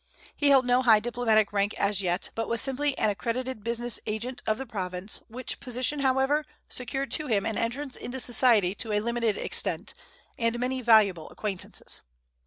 He held no high diplomatic rank as yet, but was simply an accredited business agent of the Province, which position, however, secured to him an entrance into society to a limited extent, and many valuable acquaintances.